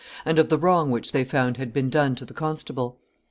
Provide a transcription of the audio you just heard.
and of the wrong which they found had been done to the constable.